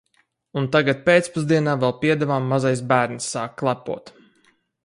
Un tagad pēcpusdienā vēl piedevām mazais bērns sāk klepot.